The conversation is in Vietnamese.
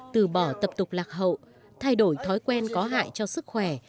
từ bỏ tập tục lạc hậu thay đổi thói quen có hại cho sức khỏe